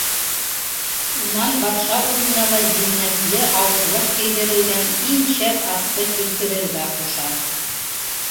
Унан батша улына ла зиннәтле ауыҙлыҡ кейҙерелгән иң шәп атты килтерергә ҡуша.